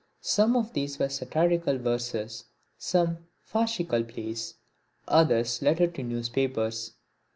Some of these were satirical verses, some farcical plays, others letters to newspapers.